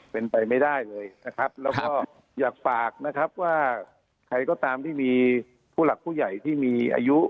เป็นไปไม่ได้เลยนะครับแล้วก็อยากฝากนะครับว่าใครก็ตามที่มีผู้หลักผู้ใหญ่ที่มีอายุ